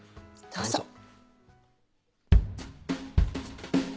どうぞ。